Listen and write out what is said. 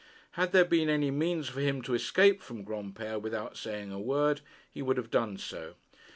Had there been any means for him to escape from Granpere without saying a word, he would have done so.